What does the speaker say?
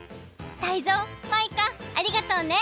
タイゾウマイカありがとうね！